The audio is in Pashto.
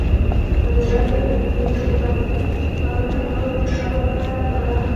که د ورځې یې حکومتي کارونه کول نو شپه به مطالعه کوله.